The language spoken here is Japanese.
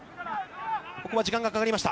ここは時間がかかりました。